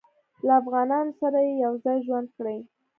له افغانانو سره یې یو ځای ژوند کړی.